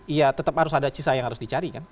iya tetap harus ada sisa yang harus dicari kan